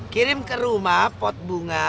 kirim ke rumah pot bunga